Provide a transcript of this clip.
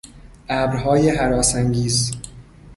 ابرهای هراسانگیز